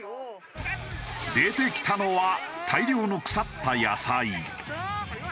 出てきたのは大量の腐った野菜。